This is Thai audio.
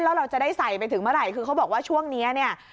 แล้วเราจะได้ใส่ไปถึงเมื่อไหร่คือเขาบอกว่าช่วงนี้เนี่ย